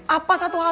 apa satu hal lagi